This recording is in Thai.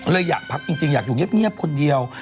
อยากพักจริงอยากอยู่เงียบคนเดียว